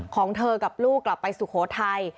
ของเธอกับลูกกลับไปสุโขทัย